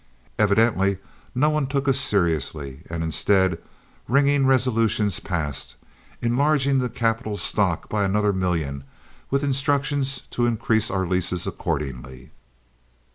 Evidently no one took us seriously, and instead, ringing resolutions passed, enlarging the capital stock by another million, with instructions to increase our leases accordingly.